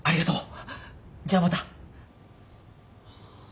じゃあまた。